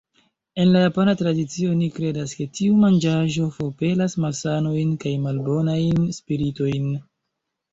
En la japana tradicio oni kredas, ke tiu manĝaĵo forpelas malsanojn kaj malbonajn spiritojn.